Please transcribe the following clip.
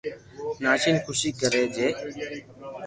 ناچين خوسي ڪري جي